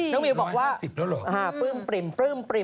น้องมิวบอกว่าปื้มปริ่มแล้วเหรอ